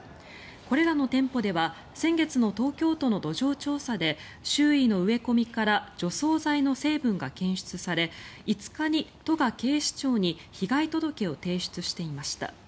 これらの店舗では先月の東京都の土壌調査で周囲の植え込みから除草剤の成分が検出され５日に、都が警視庁に被害届を提出していました。